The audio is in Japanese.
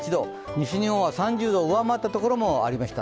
西日本は３０度を上回ったところもありました。